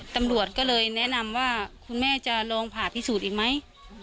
ตำรวจก็เลยแนะนำว่าคุณแม่จะลองผ่าพิสูจน์อีกไหม